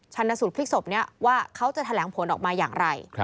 ชนะสูตรพลิกศพนี้ว่าเขาจะแถลงผลออกมาอย่างไร